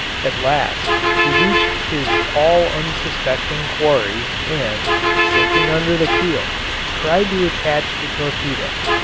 At last he reached his all unsuspecting quarry and, sinking under the keel, tried to attach the torpedo.